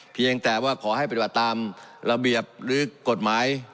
เพียงแต่ว่าขอให้ปฏิบัติตามระเบียบหรือกฎหมาย